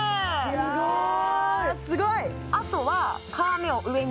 すごーい！